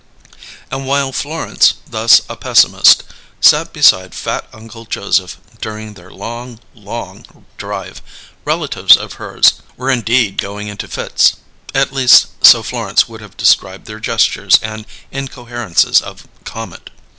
And while Florence, thus a pessimist, sat beside fat Uncle Joseph during their long, long drive, relatives of hers were indeed going into fits; at least, so Florence would have described their gestures and incoherences of comment.